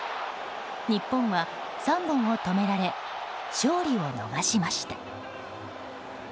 日本は３本を止められ勝利を逃しました。